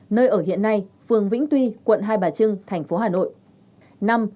nơi ở hiện nay phường vĩnh tuy quận hai bà trưng tp hcm